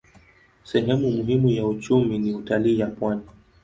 Sehemu muhimu wa uchumi ni utalii ya pwani.